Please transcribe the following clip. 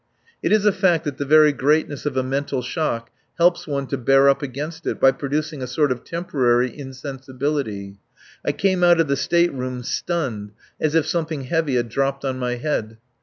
It is a fact that the very greatness of a mental shock helps one to bear up against it by producing a sort of temporary insensibility. I came out of the state room stunned, as if something heavy had dropped on my head.